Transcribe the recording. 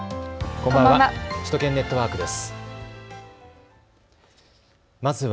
こんばんは。